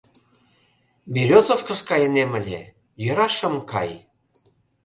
— Берёзовкыш кайынем ыле, йӧра шым кай!